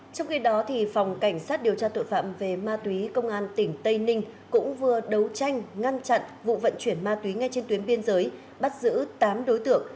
trong khi đó phòng cảnh sát điều tra tội phạm về ma túy công an tỉnh tây ninh cũng vừa đấu tranh ngăn chặn vụ vận chuyển ma túy ngay trên tuyến biên giới bắt giữ tám đối tượng